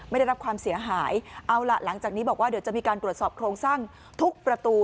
ได้รับความเสียหายเอาล่ะหลังจากนี้บอกว่าเดี๋ยวจะมีการตรวจสอบโครงสร้างทุกประตู